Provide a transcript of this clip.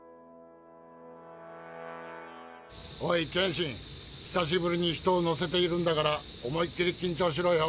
おいチェンシン久しぶりに人を乗せているんだから思いっ切り緊張しろよ。